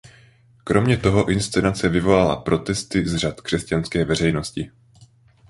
Kromě toho inscenace vyvolala protesty z řad křesťanské veřejnosti.